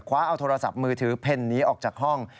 เอาโทรศัพท์มือถือเพ่นนี้ออกจากห้อง